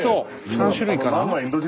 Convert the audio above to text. ３種類かな？